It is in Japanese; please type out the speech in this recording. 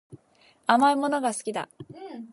甘いものが好きだ